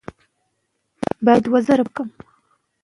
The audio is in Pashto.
او کېړکیچو ته سمه ګرانه ده.